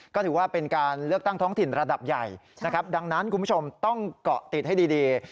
ก็ถือว่าเป็นการเลือกตั้งท้องถิ่นระดับใหญ่นะครับดังนั้นคุณผู้ชมต้องเกาะติดให้ดี